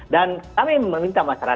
dan kami meminta masyarakat